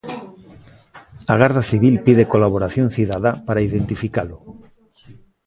A Garda Civil pide colaboración cidadá para identificalo.